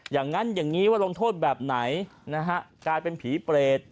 อย่างนั้นอย่างนี้ว่าลงโทษแบบไหนนะฮะกลายเป็นผีเปรต